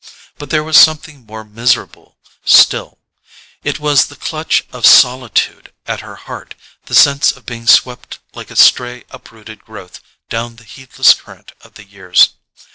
But there was something more miserable still—it was the clutch of solitude at her heart, the sense of being swept like a stray uprooted growth down the heedless current of the years.